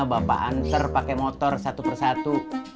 bapak answer pake motor satu persatu